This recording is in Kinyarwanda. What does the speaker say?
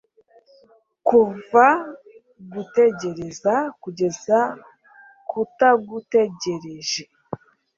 kuva gutegereza kugeza kutagutegereje